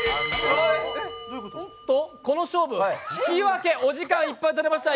おっとこの勝負、引き分け、お時間いっぱいとなりました。